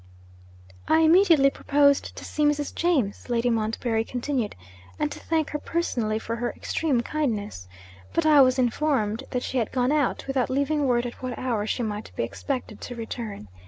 'I immediately proposed to see Mrs. James,' Lady Montbarry continued, 'and to thank her personally for her extreme kindness. But I was informed that she had gone out, without leaving word at what hour she might be expected to return.